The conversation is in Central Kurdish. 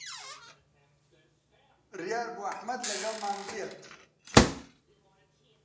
بڕیار بوو ئەحمەد لەگەڵمان بێت.